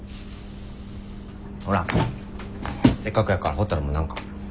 ほらせっかくやからほたるも何か。